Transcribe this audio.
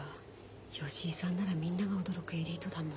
吉井さんならみんなが驚くエリートだもん。